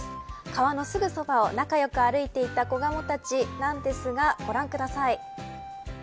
川のすぐそばを、仲良く歩いていた子ガモたちですがご覧ください。